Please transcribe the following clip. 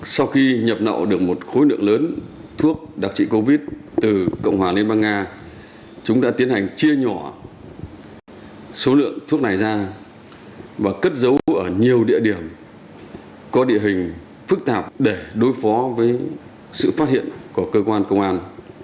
sau khi nhập lậu được một khối lượng lớn thuốc đặc trị covid từ cộng hòa liên bang nga chúng đã tiến hành chia nhỏ số lượng thuốc này ra và cất giấu ở nhiều địa điểm có địa hình phức tạp để đối phó với sự phát hiện của cơ quan công an